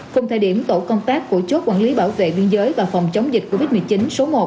cùng thời điểm tổ công tác của chốt quản lý bảo vệ biên giới và phòng chống dịch covid một mươi chín số một